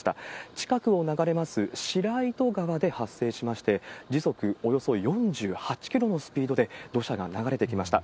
近くを流れますしらいと川で発生しまして、時速およそ４８キロのスピードで、土砂が流れてきました。